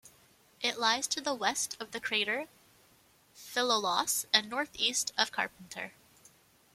It lies to the west of the crater Philolaus, and northeast of Carpenter.